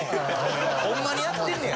ホンマにやってんねや。